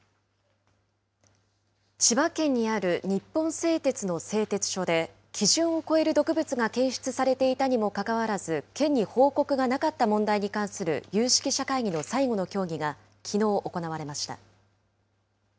千葉県にある日本製鉄の製鉄所で、基準を超える毒物が検出されていたにもかかわらず、県に報告がなかった問題に関する有識者会議の最後の協議がきのう、行われました。